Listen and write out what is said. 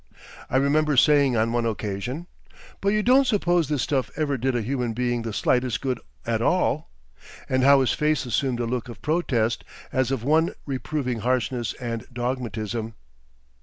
I remember saying on one occasion, "But you don't suppose this stuff ever did a human being the slightest good all?" and how his face assumed a look of protest, as of one reproving harshness and dogmatism.